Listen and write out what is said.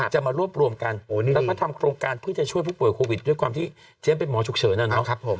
จะมารวบรวมกันแล้วก็ทำโครงการเพื่อจะช่วยผู้ป่วยโควิดด้วยความที่เจ๊เป็นหมอฉุกเฉินอะเนาะ